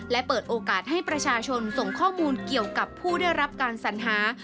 และเปิดโอกาสให้ประชาชนส่งข้อมูลเกี่ยวกับผู้ได้รับการสัญหา